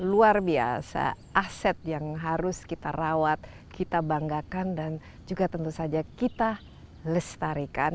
luar biasa aset yang harus kita rawat kita banggakan dan juga tentu saja kita lestarikan